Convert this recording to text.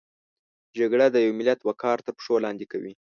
جګړه د یو ملت وقار تر پښو لاندې کوي